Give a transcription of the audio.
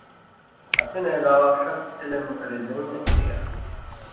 اسی نہ علاوہ ݜس علم رزَئین٘یاں کریا